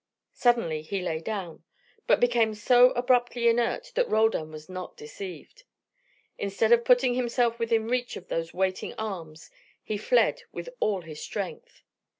Suddenly he lay down, but became so abruptly inert that Roldan was not deceived. Instead of putting himself within reach of those waiting arms he fled with all his strength.